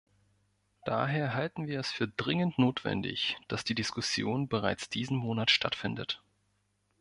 Daher halten wir es für dringend notwendig, dass die Diskussion bereits diesen Monat stattfindet.